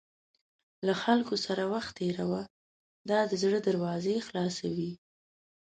له خلکو سره وخت تېروه، دا د زړه دروازې خلاصوي.